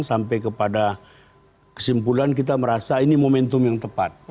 sampai kepada kesimpulan kita merasa ini momentum yang tepat